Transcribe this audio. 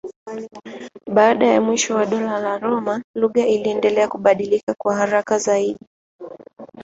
Baada ya mwisho wa Dola la Roma lugha iliendelea kubadilika haraka zaidi.